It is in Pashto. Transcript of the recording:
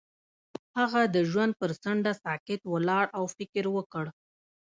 هغه د ژوند پر څنډه ساکت ولاړ او فکر وکړ.